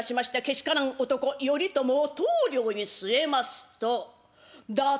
けしからん男頼朝を棟梁に据えますと打倒